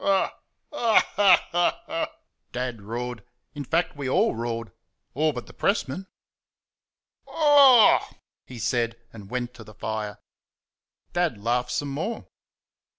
"Ha! ha! Hoo! hoo! hoo!" Dad roared. In fact, we all roared all but the pressman. "OH H!" he said, and went to the fire. Dad laughed some more.